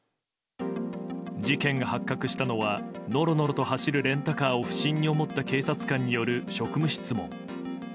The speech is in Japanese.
事件が発覚したのはのろのろと走るレンタカーを不審に思った警察官による職務質問。